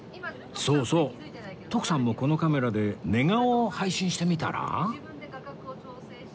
そうそう徳さんもこのカメラで寝顔を配信してみたら？